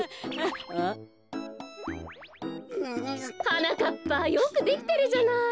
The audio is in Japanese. はなかっぱよくできてるじゃない。